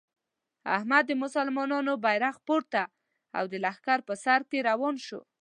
احمد د مسلمانانو بیرغ پورته او د لښکر په سر کې روان شو.